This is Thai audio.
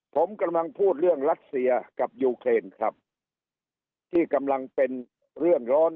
ผมกำลังพูดเรื่องรัสเซียกับยูเครนครับที่กำลังเป็นเรื่องร้อน